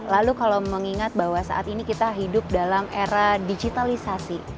lalu kalau mengingat bahwa saat ini kita hidup dalam era digitalisasi